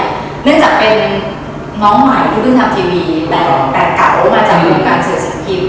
เนื่องจากเป็นน้องใหม่ที่เพิ่งทำทีวีแบบเก่ามาจากการสื่อสินคิม